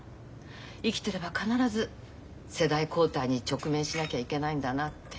生きてれば必ず世代交代に直面しなきゃいけないんだなって。